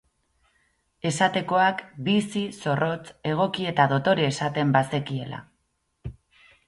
Esatekoak bizi, zorrotz, egoki eta dotore esaten bazekiela.